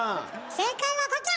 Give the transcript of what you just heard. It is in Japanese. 正解はこちら！